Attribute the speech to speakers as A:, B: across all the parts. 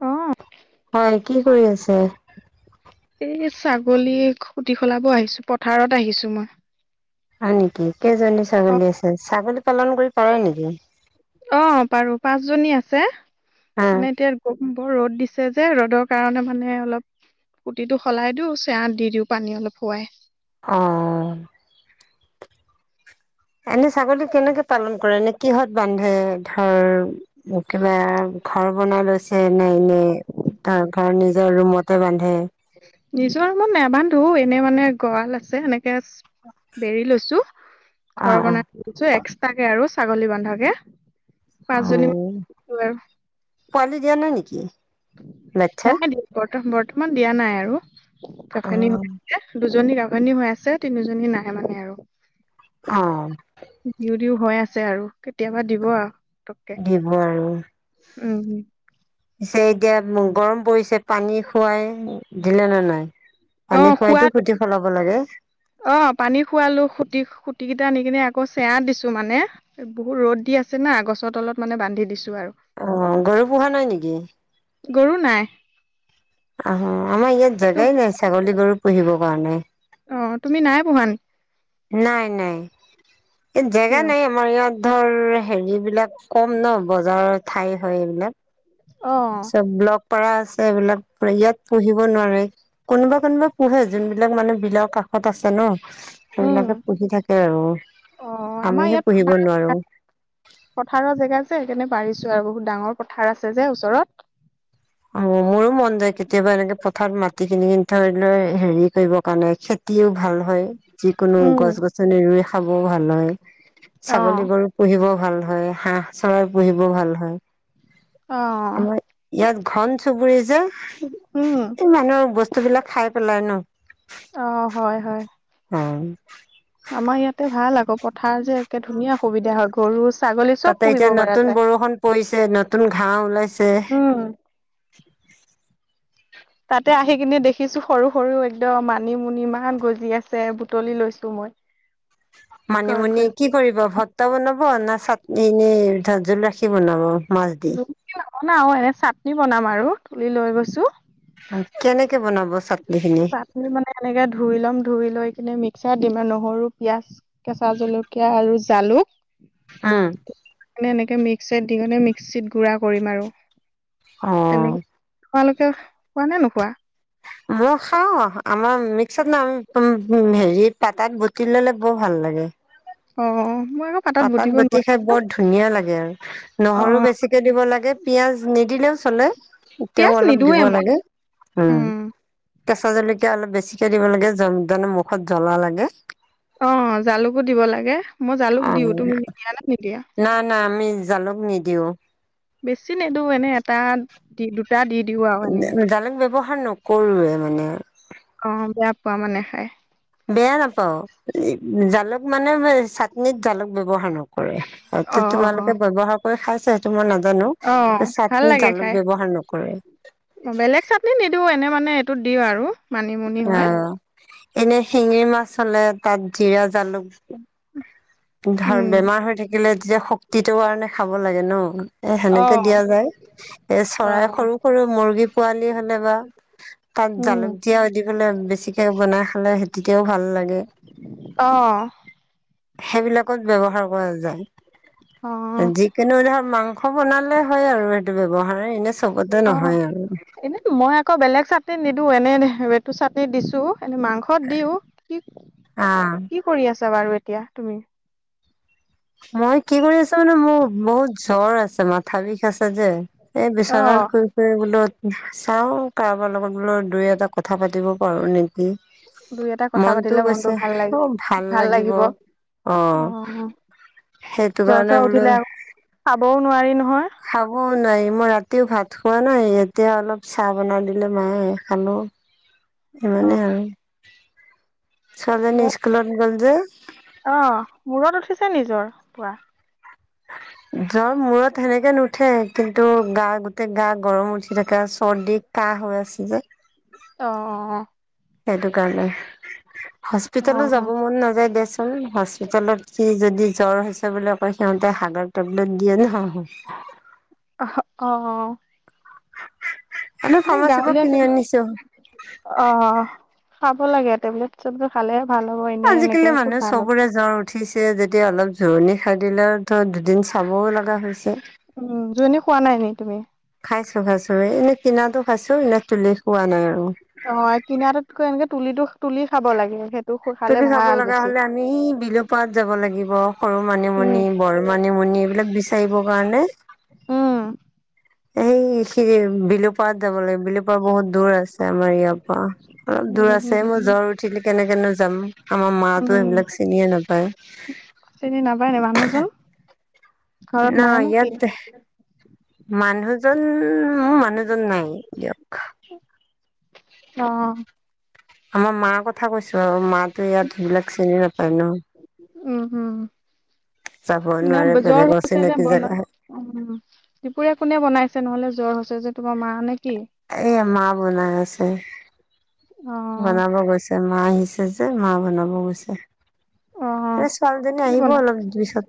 A: অ'।
B: হয়, কি কৰি আছে?
A: এই ছাগলী খুটি সলাব আহিছো, পথাৰত আহিছো মই।
B: হয় নেকি? কেইজনী
A: অ
B: ছাগলী আছে, ছাগলী পালন কৰি পাৰে নেকি?
A: অ', পাৰোঁ, পাঁচ জনী আছে
B: হা
A: মানে এতিয়া বৰ ৰ'দ দিছে যে, ৰ'দৰ কাৰণে মানে অলপ খুটিটো সলাই দিওঁ, চেয়াত দি দিওঁ পানী অলপ শোৱাই।
B: অ'। এনে ছাগলী কেনেকে পালন কৰে? নে কিহত বান্ধে ধৰ [unintelligible] ঘৰ বনাই লৈছে নে এনে, ধৰ ঘৰ নিজৰ ৰুমতে বান্ধে।
A: নিজৰ ৰুমত নাবান্ধো, এনেই মানে গঁৰাল আছে এনেকে বেৰি লৈছো,
B: অ
A: ঘৰ
B: অ
A: বনাই লৈছো এক্সট্ৰাকে আৰু ছাগলী বান্ধাকে।
B: উম, পোৱালি দিয়ে নে নিদিয়ে?
A: নাই [unintelligible] ব-বৰ্তমান দিয়া নাই আৰু
B: অ
A: [unintelligible] দুজনী গাঁভনী হৈ আছে, তিনিজনী নাহে মানে আৰু।
B: অ'।
A: দিও দিও হৈ আছে আৰু কেতিয়াবা দিব আৰু। পতককে
B: দিব আৰু।
A: উম,
B: পিছে এতিয়া গৰম পৰিছে, পানী খুৱাই দিলে নে নাই? পানী
A: অ',
B: খোৱাইতো
A: খোৱালো
B: খুটি সলাব লাগে।
A: অ', পানী খোৱালো, খুটি-খুটি কেইটা আনি কিনে আকৌ চেয়া দিছো মানে। বহুত ৰ'দ দি আছে না, গছৰ তলত মানে বান্ধি দিছো আৰু।
B: অ', গৰু পোহা নাই নেকি?
A: গৰু নাই।
B: আহ, আমাৰ ইয়াত
A: ত
B: জেগাই নাই ছাগলী, গৰু পুহিব কাৰণে।
A: অ', তুমি নাই পোহা নি
B: নাই নাই এই জেগা
A: কিয়
B: নাই আ। আমাৰ ইয়াত ধৰ হেৰি বিলাক কম ন বজাৰৰ ঠাই হয় এইবিলাক।
A: অ।
B: ব্লগ পাৰা আছে এইবিলাক ইয়াত পঢ়িব নোৱাৰে কোনোবা কোনোবা। পোহে যোনবিলাক মানে বিলৰ কাষত আছে ন।
A: উম,
B: সেইবিলাকে পুহি থাকে আৰু
A: অ', আমাৰ
B: আমিহে
A: ইয়াত
B: পুহিব নোৱাৰো।
A: পথাৰৰ জেগা যে সেইকাৰণে পাৰিছো আৰু বহুত ডাঙৰ পথাৰ আছে যে ওচৰত।
B: অ মোৰো মন যায় কেতিয়াবা এনেকে পথাৰত মাটি কিনি কিিনি ধৰি লৈ হেৰি কৰিবৰ কাৰণে খে। [inaudible] অ মোৰো মন যায় উম উম মোৰো মন যাই কেতিয়াবা এনেকে পথাৰত মাটি কিনি কিনি
A: উম,
B: ধৰি লৈ হেৰি কৰিবৰ কাৰণে খে। কুতিও ভাল হয় যিকোনো গছ গছনি ৰুই খাবও
A: অ',
B: ভাল হয় ছাগলী গৰুক। খেতিও ভাল হয় যিকোনো গছ গছনি ৰুই খাবও ভাল হয় ছাগলী গৰুক। পুহিব ভাল হয় হাহঁ চৰাই পুহিব
A: অ',
B: ভাল হয় আমাৰ ইয়াত। ঘন চুবুৰি যে
A: উম,
B: এই মানুহৰ বস্তু বিলাক খাই পেলাই ন।
A: অ হয় হয়।
B: অ।
A: আমাৰ ইয়াতে ভাল আকৌ পথাৰ যে একে ধুনীয়া সুবিধা হয় গৰু ছাগলী চব
B: তাতে এতিয়া
A: পুহিব পৰা
B: নতুন
A: যায়।
B: বৰষুণ পৰিছে নতুন ঘাঁ ওলাইছে।
A: উম, তাতে আহি কিনে দেখিছো সৰু সৰু একদম মানিমুনি ইমান গজি আছে বুটলি লৈছো মই। [unintelligible] ঘৰত
B: মানিমুনি
A: গৈ
B: কি কৰিব ভত্তা বনাব না চাট এনেই জোল ৰাখি বনাব। মাছ দি
A: [unintelligible] নৱনাও এনে চাটনি বনাম আৰু তুলি লৈ গৈছো।
B: কেনেকে বনাব চাটনি খিনি।
A: চাটনি মানে এনেকে ধুই ল'ম ধুই লৈ কিনে মিক্সাৰত দিম আৰু নহৰু পিঁয়াজ। কেঁচা জলকীয়া আৰু জালুক।
B: উম
A: এনেকে মিক্স দিনে মিক্সিত গুড়া কৰিম আৰু।
B: অ।
A: তেনেকে তোমালোকে খোৱা নে নোখোৱা
B: মই খাওঁ আমাৰ মিক্সাৰ নাই হেৰিত পাতাত বতিললে বৰ ভাল লাগে
A: অহ মই আৰু
B: পাতাত বতি খাই বৰ ধুনীয়া লাগে আৰু
A: অ
B: নহৰু বেছি দিব লাগে পিয়াজ নিদিলেও চলে
A: পিয়াজ
B: তেও অলপ
A: নিদোৱে
B: দিব
A: মই
B: লাগে উম কেঁচা জলকীয়া অলপ বেছিকে দিব লাগে জানে মুখত জ্বলা লাগে
A: অহ জালুকো দিব লাগে মই জালুক দিও তুমি দিয়া না নিদিয়া
B: না না আমি জালুক নিদিওঁ
A: বেছি নিদিও এনে এটা দি দিও দুটা দি দিওঁ আৰু এনে
B: জালুক ব্যৱহাৰ নকৰোৱে মানে
A: অহ বেয়া পোৱা মানে খাই
B: বেয়া নাপাও জালুক মানে মই চাটনিত জালুক ব্যৱহাৰ নকৰে
A: অ
B: টো
A: অ অ
B: তোমালোকে ব্যৱহাৰ কৰি খাইছা এইটো মই নাজানো
A: অ ভাল
B: চাটনিত
A: লাগে খাই
B: জালুক ব্যৱহাৰ নকৰে
A: বেলেগ চাটনিত নিদিও এনে মানে এইটোত দিওঁ আৰু মানিমুনি হয়
B: অহ এনে শিঙি মাছ হলে তাত জিৰা জালুক ধৰ
A: উম
B: বেমাৰ হৈ থাকিলে তেতিয়া শক্তিটোৰ কাৰণে খাব লাগে ন এ
A: অ
B: সেনেকে দিয়া যায় এ
A: অ
B: চৰাই সৰু সৰু মুৰ্গী পোৱালি হ'লে বা তাত
A: উম
B: জালুক দিয়া দি পেলাই বেছিকে বনাই খালে সেই তেতিয়াও ভাল লাগে।
A: অ
B: সেইবিলাকত ব্যৱহাৰ কৰা যায়,
A: অ
B: যি কিন্তু ধৰ মাংস বনালে হয় আৰু সেইটো ব্যৱহাৰ এনে চবতে
A: অঁহ
B: নহয় আৰু।
A: এনে মই আকৌ বেলেগ চাট নিদিও এনে এইটো চাটনিত দিছো, এনে মাংসত দিও কি
B: আহ
A: কি কৰি আছা বাৰু এতিয়া তুমি?
B: মই কি কৰি আছো মানে মোৰ বহুত জ্বৰ আছে মাথা বিষ আছে যে। এ
A: অ
B: বিচনাত শুই বোলো চাওঁ কাৰোবাৰ লগত বোলো দুই এটা কথা পাতিব পাৰো নেক
A: দুই এটা কথা পাতিলে
B: মনটো গৈছে
A: ভাল লাগে
B: অহ ভাল লাগিব
A: অ
B: অহ।
A: জ্বৰ থৰ উঠিলে আৰু খাবও নোৱাৰি নহয়।
B: খাবও নোৱাৰি, মই ৰাতিও ভাত খোৱা নাই এতিয়া অলপ চাহ বনাই দিলে মায়ে খালো।
A: অ
B: সিমানে আৰু। ছোৱালী জনী স্কুলত গ'ল যে।
A: অঁহ মূৰত উঠিছে নি জ্বৰ পোৰা?
B: জ্বৰ মূৰত সেনেকে নুঠে কিন্তু গা গোটেই গা গৰম উঠি থাকে আৰু চৰ্দি কাহ হৈ আছে যে।
A: অঁ অঁ অঁ।
B: সেইটো কাৰণে,
A: অ
B: হস্পিতালো
A: অ
B: যাব মন নাযায় দিয়াচ হস্পিতেলত সি যদি জ্বৰ হৈছে বুলি কয় সিহঁতে হাগাৰ টেবলেট দিয়ে নহয়।
A: অহ অঁ।
B: আমি ফাৰ্মাচীৰ পৰা
A: গাঁৱলীয়া
B: কিনি
A: কিবা
B: আনিছো
A: অহ খাব লাগে টেবলেট। চবতো খালেহে ভাল হব' এনে এনেকে
B: আজিকালি
A: ক'ত
B: মানুহ
A: ভাল হ'ব।
B: চবৰে জ্বৰ উঠিছে যেতিয়া অলপ জোৰণি খায় দিলেও ধৰ দুদিন চাবও লগা হৈছে।
A: উম জোৰণী খোৱা নাই নেকি তুমি?
B: খাইছো খাইছো এনে কিনাটো খাইছো, এনেই তুলি খোৱা নাই আৰু।
A: অহ কিনাটোতকৈ এনেকে তুলিটো তুলি খাব লাগে হেট
B: তুলি খাব লগা হলে আমি বিলোপাৰত যাব লাগিব, সৰু
A: উম
B: মানিমুনি বড় মানিমুনি এইবিলাক বিচ চাৰিব কাৰনে।
A: উম।
B: ই বিলুপাৰত যাব লাগে বিলুপাৰ বহুত দূৰ আছে আমাৰ ইয়াৰ পৰা। অলপ দূৰ
A: উম
B: আছে মই
A: উম
B: জ্বৰ উঠিলি কেনেকেনো যাম, আমাৰ মাতো
A: উম
B: সেইবিলাক চিনিয়ে নাপায়।
A: চিনি নাপায় নি মানুহজন
B: ন
A: ঘৰত নাই নেকি?
B: ইয়াত মানুহজন মোৰ মানুহজন নাই দিয়ক।
A: অঁ।
B: আমাৰ মাৰ কথা কৈছো আৰু মাতো ইয়াত সেইবিলাক চিনি নাপায় ন।
A: উম উম
B: যাবই নোৱাৰে বেলেগৰ অচিনাকি জেগা হয়।
A: অ, দুপুৰীয়া কোনে বনাইছে নহলে জ্বৰ হৈছে যে তোমাৰ মা নেকি?
B: এই মা বনাই আছে।
A: অঁ।
B: বনাব গৈছে মা আহিছে যে মা বনাব গৈছে।
A: অ
B: এই ছোৱালীজনী
A: কি
B: আহিব
A: বনা
B: অলপ পিছত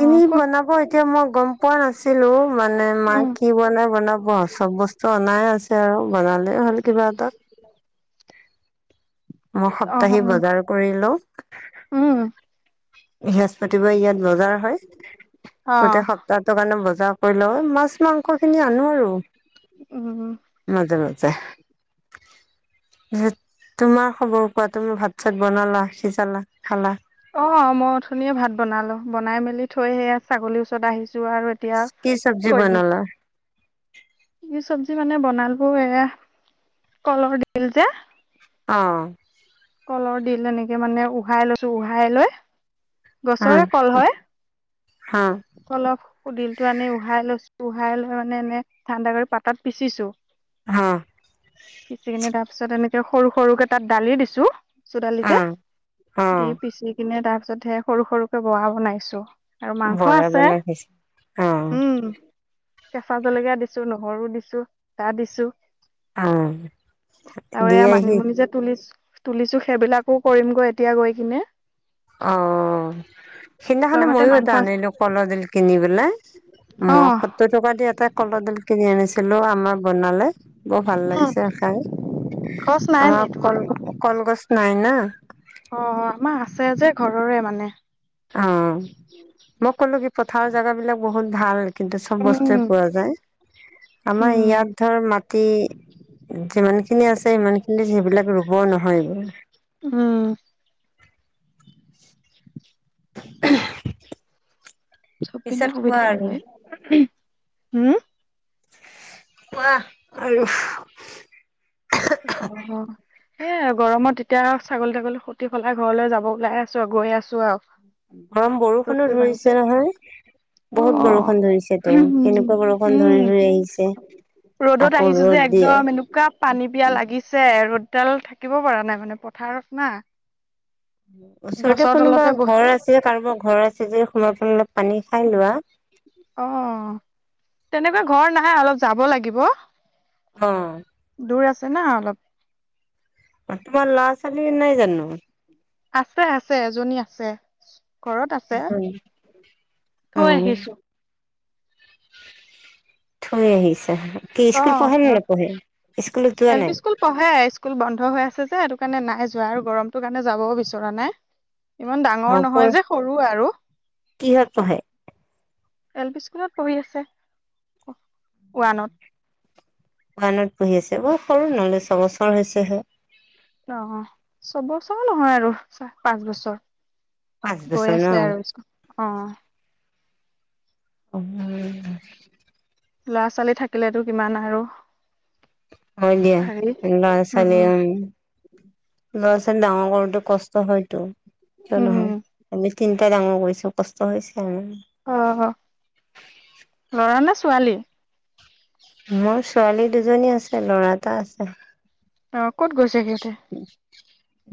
A: অ ক'ত
B: বনাবই এতিয়া মই গম পোৱা নাছিলো মানে মা
A: উম
B: কি বনাই বনাব আও চব বস্তু অনাই আছে। ছে আৰু বনালে হ'ল কিবা এটা। মই
A: অ
B: সপ্তাহি
A: উম
B: বজাৰ কৰি লওঁ
A: উম,
B: বৃহস্পতিবাৰে ইয়াত বজাৰ হয়,
A: অ
B: গোটেই সপ্তাহটোৰ কাৰণে বজাৰ কৰি লওঁ, মাছ মাংসখিনি আনো আৰু।
A: [inaudible]
B: মাজে, মাজে। যে, তোমাৰ খবৰ কোৱা তুমি ভাত, চাত বনালা, সিজালা, খালা?
A: অ', মই অথনিয়ে ভাত বনালো, বনাই মেলি থৈ হেয়া ছাগলীৰ ওচৰত আহিছো আৰু এতিয়া
B: কি চব্জি বনালা?
A: কি চব্জি মানে বনালো, এয়া কলৰ দিল যে।
B: অ'।
A: কলৰ দিল, এনেকে মানে উহাই লৈছোঁ, উহাই লৈ
B: হ
A: গছৰে কল হ'য়।
B: হ
A: কলৰ দিলটো আনি উহাই লৈছোঁ, উহাই লৈ মানে এনে ঠাণ্ডা কৰি পাতত পিচিছোঁ।
B: অ'।
A: পিচি কিনে তাৰপিছত এনেকে সৰু সৰুকে তাত দালি দিছো, মচোৰ দালি
B: অ
A: যে
B: অ
A: দি পিচি কিনে, তাৰপিছতহে সৰু সৰুকে বৰা বনাইছোঁ। আৰু মাংস
B: বৰা
A: আছে,
B: বনাই খাইছে অ
A: উম। কেঁচা জলকীয়া দিছো, নহৰু দিছো, আদা দিছো।
B: উম,
A: আৰু এয়া
B: দিয়েহি।
A: মানিমুনি যে তুলিছ, তুলিছো সেইবিলাকো কৰিম গৈ এতিয়া গৈ কিনে।
B: অ'। সেইদিনাখনেনে
A: লগতে
B: মইয়ো এটা
A: মাংস আছে।
B: আনিলো কলডিল কিনি পেলাই,
A: অ
B: মই সত্তৰ টকা দি এটা কলডিল কিনি আনিছিলো আমা বনালে, বৰ ভাল
A: উম
B: লাগিছে খাই,
A: খৰচ নাই নি
B: আমাৰ কল
A: তোমালোকৰ
B: কলগছ নাই না।
A: অ', আমাৰ আছে যে ঘৰৰে মানে।
B: অ', মই ক'লো কি পথাৰ জেগা বিলাক বহুত ভাল। কিন্তু চব বস্তুৱে
A: উম
B: পোৱা যায়, আমাৰ
A: উম
B: ইয়াত ধৰ মাটি যিমানখিনি আছে, ইমান খিনি সেইবিলাক ৰুব নহয় গৈ।
A: উম।
B: [unintelligible]
A: চব পিনে
B: পিছত কোৱা
A: সুবিধা
B: আৰু।
A: হ'য়, হম?
B: কোৱা [unintelligible]
A: অ'। হে আৰু গৰমত এতিয়া ছাগলী তাগলী সুতি সলাই ঘৰলৈ যাব ওলাই আছো আৰু গৈ আছো আৰু।
B: [unintelligible] বৰষুণো
A: ৰ'দটো ইমানছে
B: ধৰিছে নহয়।
A: অ
B: বহুত বৰষুণ ধৰিছেটো, কেনেকুৱা বৰষুণ ধৰি-
A: উম
B: ধৰি আহিছে।
A: ৰ'দত
B: আকৌ
A: আহিছো যে
B: ৰ'দ দিয়ে।
A: একদম এনেকুৱা পানী পিয়া লাগিছে ৰ'দডাল থাকিব পৰা নাই মানে, পথাৰত না।
B: ওচৰতে
A: গছৰ
B: কোনোবা
A: তলতে বহ
B: ঘৰ আছে, কাৰোবাৰ ঘৰ আছে যদি সোমায় পেলাই অলপ পানী খাই লোৱা।
A: অ', তেনেকুৱা ঘৰ নাই অলপ যাব লাগিব।
B: অ'।
A: দূৰ আছে না অলপ।
B: তোমাৰ ল'ৰা ছোৱালী নাই জানো?
A: আছে- আছে এজনী আছে ঘৰত আছে
B: অ
A: থৈ আহিছো।
B: থৈ আহিছা কি
A: অ
B: স্কুল পঢ়ে নে
A: ঘৰত
B: নেপঢ়ে স্কুলত যোৱা
A: এল পি
B: নাই?
A: স্কুল পঢ়ে স্কুল বন্ধ হৈ আছে যে সেইটো কাৰণে নাই যোৱা আৰু গৰমটো কাৰণে যাবও বিচৰা নাই। ইমান ডাঙৰ
B: অ
A: নহয়
B: পৰ
A: যে সৰু আৰু।
B: কিহত পঢ়ে?
A: এল পি স্কুলত পঢ়ি আছে, ওৱানত।
B: ওৱানত পঢ়ি আছে। অ, সৰু নহলে ছবছৰ হৈছেহে।
A: অ- অ চবছৰ নহয় আৰু চাহ পাঁচ বছৰ।
B: পাঁচ
A: গৈ
B: বছৰ ন
A: আছে
B: উম,
A: আৰু ইস্কুল, অ।
B: [inaudible]
A: ল'ৰা- ছোৱালী থাকিলেটো কিমান আৰু
B: হয় দিয়া,
A: হেৰি
B: লৰা- ছোৱালী উম ল'ৰা- ছোৱালী ডাঙৰ কৰোতে কষ্ট হয়টো কিয় নহয়।
A: উম
B: আমি তিনিটাই ডাঙৰ কৰিছোঁ। কষ্ট হৈছে আৰু।
A: অ, হ, ল'ৰা নে ছোৱালী?
B: মোৰ ছোৱালী দুজনী আছে, ল'ৰা এটা আছে।
A: অ, ক'ত গৈছে সি?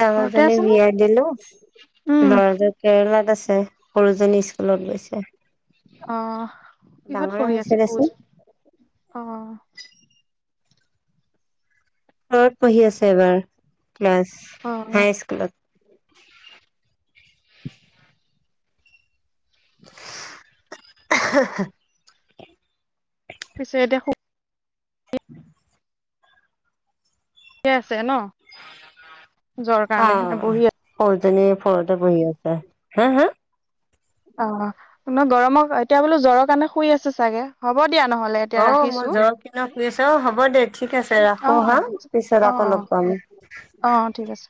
B: ডাঙৰজনি বিয়া দিলো।
A: উম
B: ল'ৰা জন কেৰেলাত আছে, সৰুজনী ইচ - স্কুলত গৈছে।
A: অ কিহত
B: ডাঙৰে
A: পঢ়ি আছে
B: হৈছে দেচোন।
A: সৰুজন অ।
B: পঢ়ি আছে এবাৰ ক্লাছ
A: অ
B: হাই স্কুলত। [inaudible]
A: পিছে এতিয়া সুক -
B: [inaudible]
A: ঠিকে আছে ন। জ্বৰ
B: অ,
A: কাৰণে নে বহি
B: সৰুজনীৰ ফৰতে পঢ়ি আছে হে - হে?
A: অ, গৰমত এতিয়া বোলো জ্বৰৰ কাৰণে শুই আছে চাগে, হ'ব দিয়া নহ'লে। এতিয়া
B: অ, মই
A: ৰাখিছো
B: জ্বৰ কিনা শুই আছোঁ। অ, হ'ব দে ঠিক আছে
A: অ
B: ৰাখো হা। পিছত আকৌ লগ পাম।
A: অঁ ঠিক আছে।